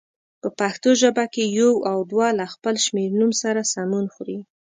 په پښتو ژبه کې یو او دوه له خپل شمېرنوم سره سمون خوري.